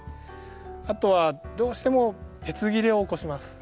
あとはどうしても鉄切れを起こします。